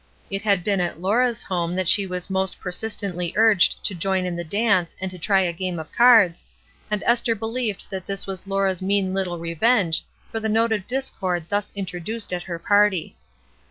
It Hd been at Laura's home that she was most persistently urged to join in the dance and to try a game of cards, and Esther believed that this was Laura's mean httle revenge for the note of discord thus introduced at her party.